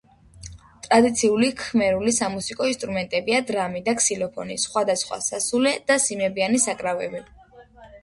ტრადიციული ქჰმერული სამუსიკო ინსტრუმენტებია დრამი და ქსილოფონი, სხვადასხვა სასულე და სიმებიანი საკრავები.